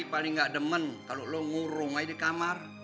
paling nggak demen kalau lo ngurung aja di kamar